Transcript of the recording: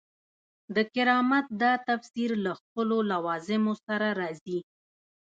د کرامت دا تفسیر له خپلو لوازمو سره راځي.